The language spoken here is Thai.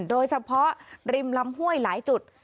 โดยเฉพาะริมลำห้วยหลายจุด